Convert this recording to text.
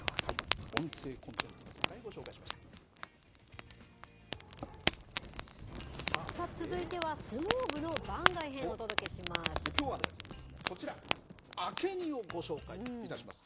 音声コンテンツの世界、ご紹続いては、相撲部の番外編、きょうはこちら、明け荷をご紹介いたします。